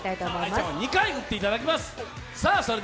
愛ちゃんは２回打っていただきます。